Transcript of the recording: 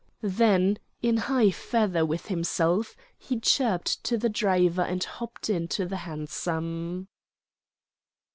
Then, in high feather with himself, he chirped to the driver and hopped into the hansom.